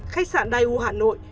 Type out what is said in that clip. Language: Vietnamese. khách sạn daewoo hà nội